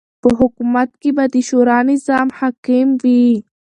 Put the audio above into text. په حکومت کی به د شورا نظام حاکم وی